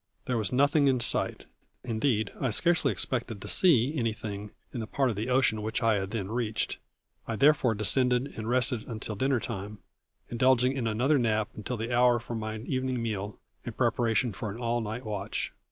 There was nothing in sight indeed I scarcely expected to see anything in the part of the ocean which I had then reached; I therefore descended and rested until dinner time, indulging in another nap until the hour for my evening meal, in preparation for an all night watch.